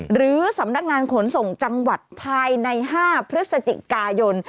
หรือสำนักงานขนส่งจังหวัดภายใน๕พฤศจิกายน